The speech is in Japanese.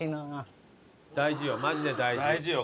大事よ。